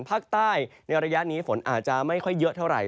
ภาคใต้ในระยะนี้ฝนอาจจะไม่ค่อยเยอะเท่าไหร่